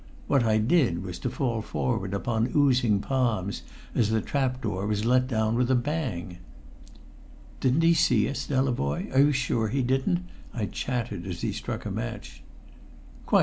What I did was to fall forward upon oozing palms as the trap door was let down with a bang. "Didn't he see us, Delavoye? Are you sure he didn't?" I chattered as he struck a match. "Quite.